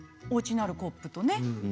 おうちにあるコップとね。